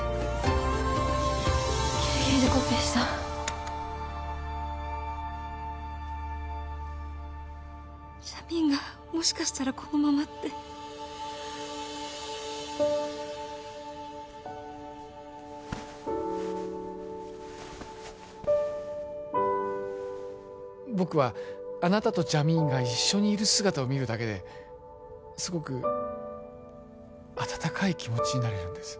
ギリギリでコピーしたジャミーンがもしかしたらこのままって僕はあなたとジャミーンが一緒にいる姿を見るだけですごくあたたかい気持ちになれるんです